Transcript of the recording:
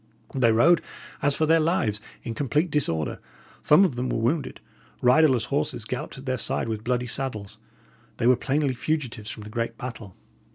They rode as for their lives, in complete disorder; some of them were wounded; riderless horses galloped at their side with bloody saddles. They were plainly fugitives from the great battle.